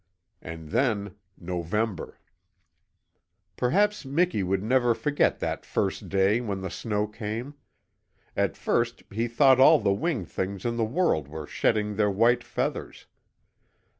And then November. Perhaps Miki would never forget that first day when the snow came. At first he thought all the winged things in the world were shedding their white feathers.